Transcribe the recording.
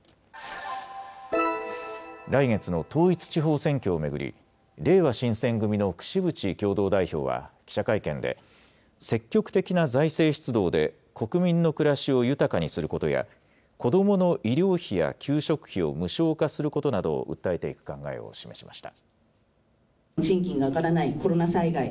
来月の統一地方選挙を巡り、れいわ新選組の櫛渕共同代表は記者会見で、積極的な財政出動で国民の暮らしを豊かにすることや、子どもの医療費や給食費を無償化することなどを訴えていく考えを示しました。